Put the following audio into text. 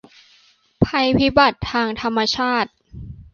ภัยพิบัติทางธรรมชาติ